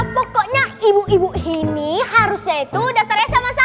pokoknya ibu ibu ini harusnya itu daftarnya sama saya